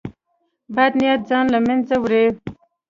بد نیت ځان له منځه وړي.